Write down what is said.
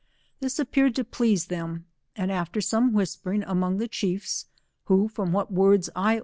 This appeared to please them, and after some whispering among the chiefs, who from what words I o«?